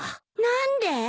何で？